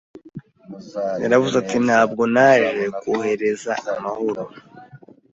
Yaravuze ati ntabwo naje kohereza amahoro